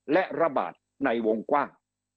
และระบาดในวงกว้าง